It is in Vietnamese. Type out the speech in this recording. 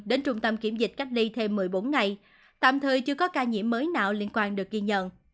đến trung tâm kiểm dịch cách ly thêm một mươi bốn ngày tạm thời chưa có ca nhiễm mới nào liên quan được ghi nhận